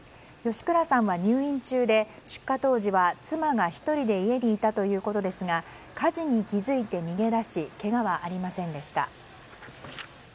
吉倉さんは入院中で出火当時は妻が１人で家にいたということですが火事に気付いて逃げ出しけがはありませんでした。